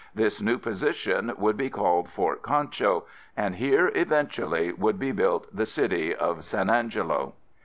This new position would be called Fort Concho, and here eventually would be built the city of San Angelo.